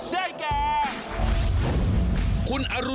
ได้แล้ว